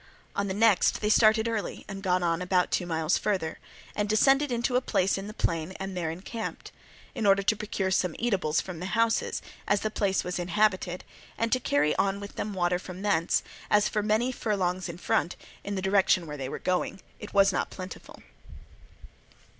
On the next they started early and got on about two miles further, and descended into a place in the plain and there encamped, in order to procure some eatables from the houses, as the place was inhabited, and to carry on with them water from thence, as for many furlongs in front, in the direction in which they were going, it was not plentiful.